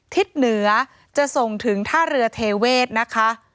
ทิศเหนือจะส่งถึงท่าเรือเทเวศนะคะ